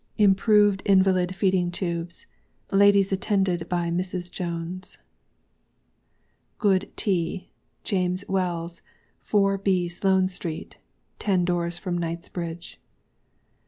IMPROVED INVALID FEEDING TUBES. Ladies attended by Mrs. Jones. Good Tea. James Wells, 4b, Sloane Street, Ten Doors from Knightsbridge.